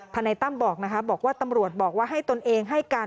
นายตั้มบอกนะคะบอกว่าตำรวจบอกว่าให้ตนเองให้การ